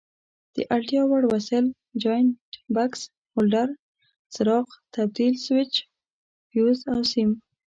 د اړتیا وړ وسایل: جاینټ بکس، هولډر، څراغ، تبدیل سویچ، فیوز او سیم.